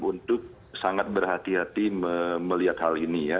untuk sangat berhati hati melihat hal ini ya